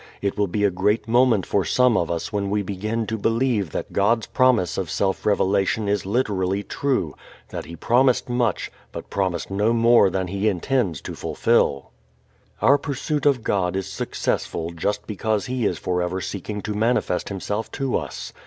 It will be a great moment for some of us when we begin to believe that God's promise of self revelation is literally true: that He promised much, but promised no more than He intends to fulfill. Our pursuit of God is successful just because He is forever seeking to manifest Himself to us.